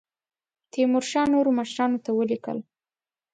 تیمورشاه نورو مشرانو ته ولیکل.